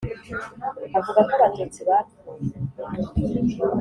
Avuga ko Abatutsi bapfuye